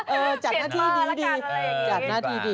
เออจัดหน้าที่ดีจัดหน้าที่ดี